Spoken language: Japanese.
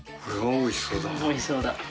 おいしそうだ。